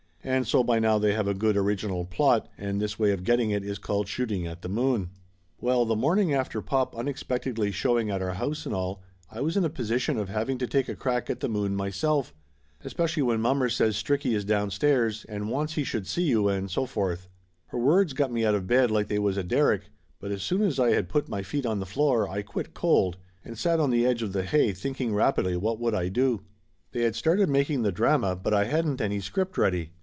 And so by now they have a good, original plot, and this way of getting it is called shoot ing at the moon. 249 250 Laughter Limited Well, the morning after pop unexpectedly showing at our house and all, I was in a position of having to take a crack at the moon myself, especially when mom mer says Stricky is down stairs and wants he should see you and so forth. Her words got me out of bed like they was a derrick, but as soon as I had put my feet on the floor I quit cold, and sat on the edge of the hay thinking rapidly what would I do. They had started making the drama, but I hadn't any script ready.